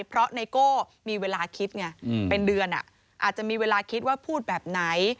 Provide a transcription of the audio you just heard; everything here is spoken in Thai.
เพราะไนโก้มีเวลาคิดไงเป็นเดือนอาจจะมีเวลาคิดว่าพูดแบบไหน